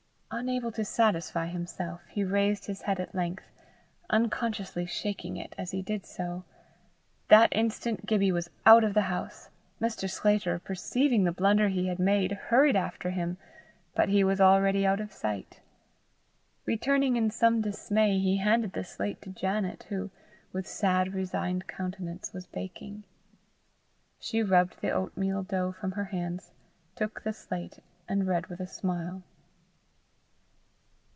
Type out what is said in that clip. Unable to satisfy himself, he raised his head at length, unconsciously shaking it as he did so. That instant Gibbie was out of the house. Mr. Sclater, perceiving the blunder he had made, hurried after him, but he was already out of sight. Returning in some dismay, he handed the slate to Janet, who, with sad, resigned countenance, was baking. She rubbed the oatmeal dough from her hands, took the slate, and read with a smile.